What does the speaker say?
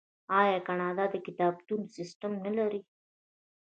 آیا کاناډا د کتابتونونو سیستم نلري؟